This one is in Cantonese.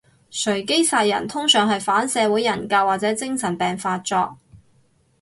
隨機殺人通常係反社會人格或者精神病發作